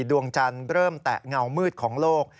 ดวงจันทร์เริ่มแตะเงามืดของโลก